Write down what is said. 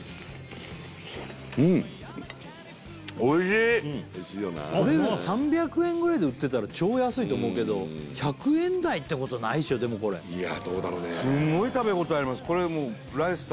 うんおいしいうんあっうまっこれで３００円ぐらいで売ってたら超安いと思うけど１００円台ってことないでしょでもこれいやどうだろうねすごい食べ応えあります